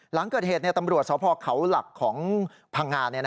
หลังเกิดเหตุตำรวจสพเขาหลักของพังงา